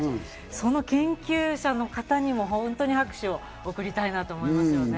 その研究者の方にも本当に拍手を送りたいと思いますね。